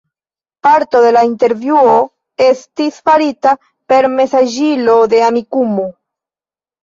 Parto de la intervjuo estis farita per la mesaĝilo de Amikumu.